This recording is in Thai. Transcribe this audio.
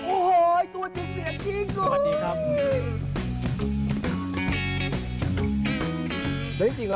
โอ้โฮตัวติดเสียจริง